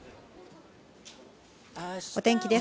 お天気です。